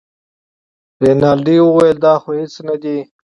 رینالډي وویل دا خو هېڅ نه دي.